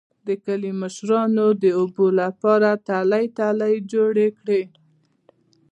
د کلي مشرانو د اوبو لپاره ټلۍ ټلۍ جوړې کړې